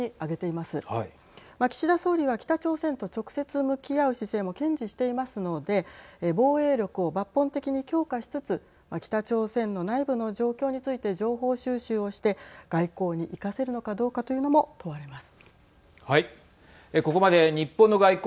岸田総理は北朝鮮と直接向き合う姿勢も堅持していますので防衛力を抜本的に強化しつつ北朝鮮の内部の状況について情報収集をして外交に生かせるのかどうかというのも問われます。